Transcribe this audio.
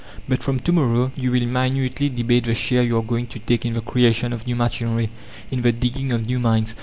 "But from to morrow you will minutely debate the share you are going to take in the creation of new machinery, in the digging of new mines.